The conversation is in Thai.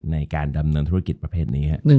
ในการดำเนินธุรกิจประเภทนี้